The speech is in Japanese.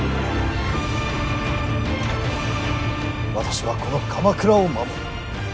私はこの鎌倉を守る。